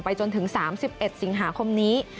จนถึง๓๑สิงหาคมนี้